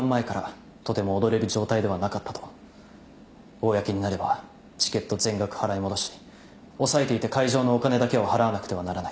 公になればチケット全額払い戻し押さえていた会場のお金だけは払わなくてはならない。